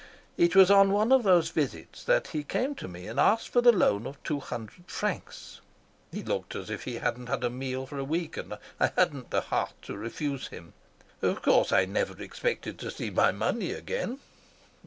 It was on one of these visits that he came to me and asked for the loan of two hundred francs. He looked as if he hadn't had a meal for a week, and I hadn't the heart to refuse him. Of course, I never expected to see my money again.